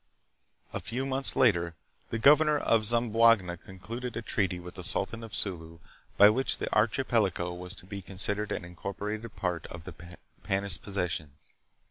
A few months later the governor of Zamboanga concluded a treaty with the sultan of Sulu by which the archipelago was to be con sidered an incorporated part of the Spanish possessions.